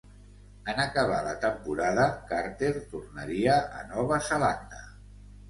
En acabar la temporada, Carter tornaria a Nova Zelanda.